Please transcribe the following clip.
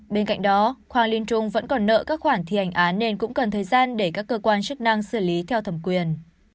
bên cạnh đó hoàng liên trung vẫn còn nợ các khoản thi hành án nên cũng cần thời gian để các cơ quan chức năng xử lý theo thẩm quyền